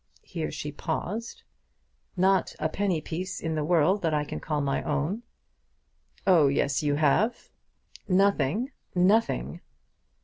Here she paused. "Not a penny piece in the world that I can call my own." "Oh yes, you have." "Nothing. Nothing!"